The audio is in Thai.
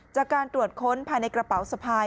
จากการตรวจค้นภายในกระเป๋าสะพาย